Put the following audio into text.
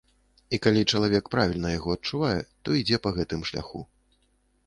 І калі чалавек правільна яго адчувае, то ідзе па гэтым шляху.